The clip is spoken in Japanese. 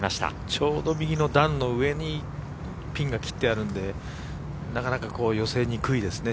ちょうど右の段の上にピンが切ってあるんでなかなか寄せにくいですね